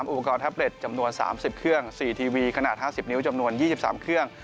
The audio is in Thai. อุปกรณ์แท็บเล็ตจำนวน๓๐เครื่อง๔ทีวีขนาด๕๐นิ้วจำนวน๒๓เครื่อง